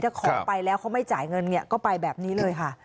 ถ้าขอไปแล้วเขาไม่จ่ายเงินเนี่ยก็ไปแบบนี้เลยค่ะ